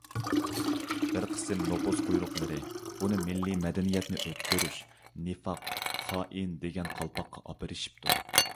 بىر قىسىم نوپۇز قۇيرۇقلىرى بۇنى مىللىي مەدەنىيەتنى ئۆچ كۆرۈش، نىفاق، خائىن دېگەن قالپاققا ئاپىرىشىپتۇ.